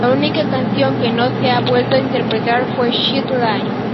La única canción que no se ha vuelto a interpretar fue "Shed Light".